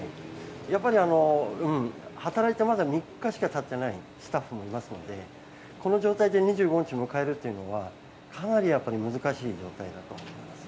やっぱり働いてまだ３日しかたっていないスタッフもいますのでこの状態で２５日を迎えるのは、かなり難しい状態だと思います。